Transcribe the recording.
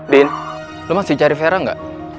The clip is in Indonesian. din lo masih cari vera gak